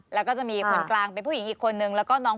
แล้วก็จะมีคนกลางเป็นผู้หญิงอีกคนนึง